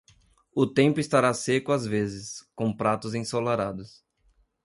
O tempo estará seco às vezes, com pratos ensolarados.